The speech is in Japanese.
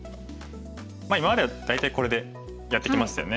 今までは大体これでやってきましたよね。